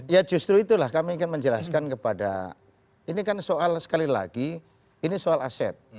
ya justru itulah kami ingin menjelaskan kepada ini kan soal sekali lagi ini soal aset